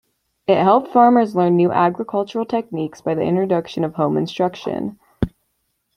It helped farmers learn new agricultural techniques by the introduction of home instruction.